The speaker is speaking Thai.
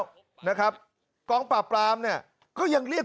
จริงนั่นครับกรองปากปลามเนี่ยก็ยังเรียก